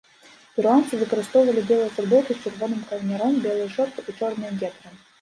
Перуанцы выкарыстоўвалі белыя футболкі з чырвоным каўняром, белыя шорты і чорныя гетры.